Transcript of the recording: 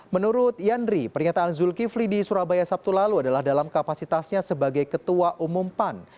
menurut yandri pernyataan zulkifli di surabaya sabtu lalu adalah dalam kapasitasnya sebagai ketua umum pan